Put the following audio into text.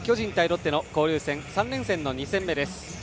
ロッテの交流戦３連戦の２戦目です。